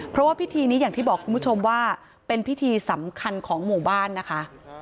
เพราะว่าพิธีนี้อย่างที่บอกคุณผู้ชมว่าเป็นพิธีสำคัญของหมู่บ้านนะคะ